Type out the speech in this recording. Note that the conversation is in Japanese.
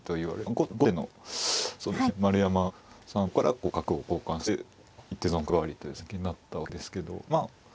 後手のそうですね丸山さんの方から角を交換して一手損角換わりという戦型になったわけですけどまあ